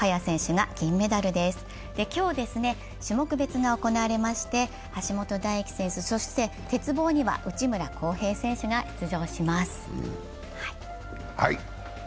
今日、種目別が行われまして、橋本大輝選手、そして鉄棒には内村航平選手が出場します。